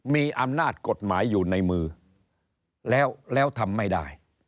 มีอำนาจกฎหมายอยู่ในมือแล้วทำไม่ได้